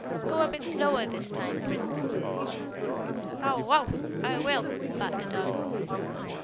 "Go a bit slower this time, Prince." "Bow wow! I will!" barked the dog.